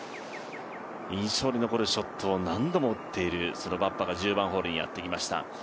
印象に残るショットを何度も打っているバッバが１０番ホールにやってきました。